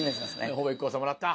ほぼＩＫＫＯさんもらった。